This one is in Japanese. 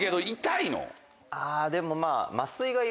あでもまぁ。